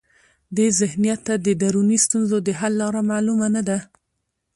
دې ذهنیت ته د دروني ستونزو د حل لاره معلومه نه ده.